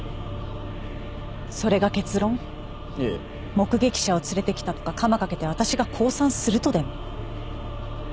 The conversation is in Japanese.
目撃者を連れてきたとか鎌かけて私が降参するとでも？